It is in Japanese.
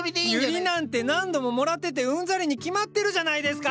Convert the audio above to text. ユリなんて何度ももらっててうんざりに決まってるじゃないですか！